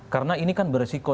karena ini kan beresiko